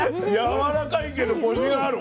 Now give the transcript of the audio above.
やわらかいけどコシがある。